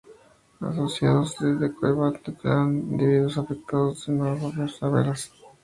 Asociados a Dede cohabitan como un clan, individuos afectados de neurofibromatosis severas.